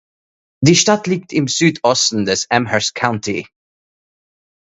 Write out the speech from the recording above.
Die Stadt liegt im Südosten des Amherst County.